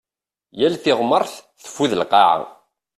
Yal tiɣmert teffud lqaɛa.